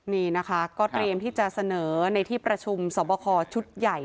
นี่นะคะก็เตรียมที่จะเสนอในที่ประชุมสอบคอชุดใหญ่